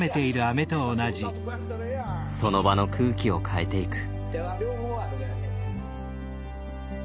その場の空気を変えていく。